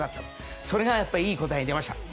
それがいい答えが出ました。